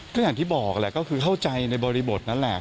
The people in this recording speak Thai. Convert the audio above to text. ก็อย่างที่บอกแหละก็คือเข้าใจในบริบทนั่นแหละ